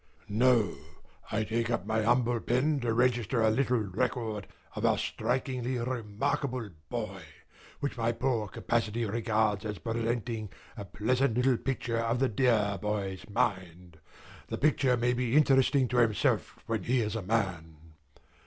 No, I take up my humble pen to register a little record of our strikingly remarkable boy, which my poor capacity regards as presenting a pleasant little picture of the dear boy's mind. The picture may be interesting to himself when he is a man.